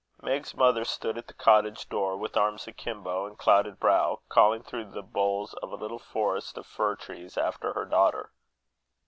Meg's mother stood at the cottage door, with arms akimbo and clouded brow, calling through the boles of a little forest of fir trees after her daughter.